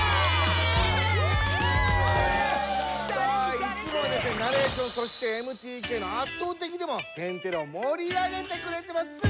いつもはナレーションそしてＭＴＫの「圧倒的」でも「天てれ」をもり上げてくれてます